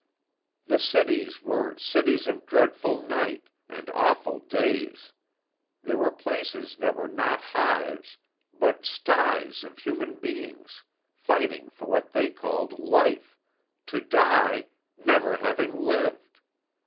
The cities were 'cities of dreadful night,' and awful days; there were places that were not hives, but styes of human beings, fighting for what they called life, to die, never having lived.